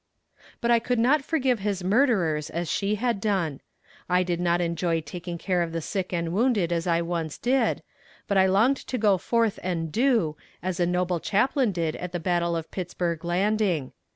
But I could not forgive his murderers as she had done. I did not enjoy taking care of the sick and wounded as I once did, but I longed to go forth and do, as a noble chaplain did at the battle of Pittsburg Landing.